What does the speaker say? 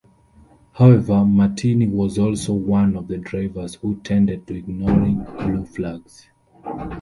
However, Martini was also one of the drivers who tended to ignoring blue flags.